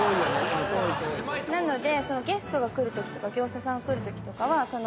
なので。